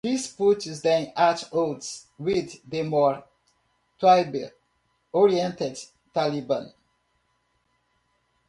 This puts them at odds with the more tribe-oriented Taliban.